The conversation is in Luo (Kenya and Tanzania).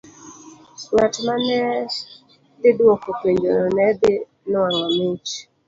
Ng'at ma ne dhi dwoko penjono ne dhi nwang'o mich.